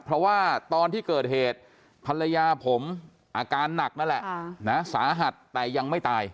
เพราะว่าตอนที่เกิดเหตุภรรยาผมอาการหนักนั่นแหละสาหัสแต่ยังไม่ตาย